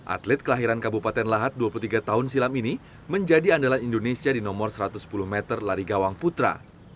atlet kelahiran kabupaten lahat dua puluh tiga tahun silam ini menjadi andalan indonesia di nomor satu ratus sepuluh meter lari gawang putra